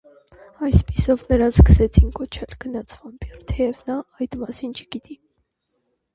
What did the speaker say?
Այսպիսով նրան սկսեցին կոչել «քնած վամպիր», թեև նա այդ մասին չգիտի։